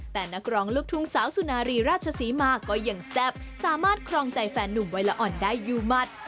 แต่นักร้องลูกทุ่งสาวสุนารีราชศรีมาก็ยังแซ่บสามารถครองใจแฟนนุ่มวัยละอ่อนได้อยู่มัด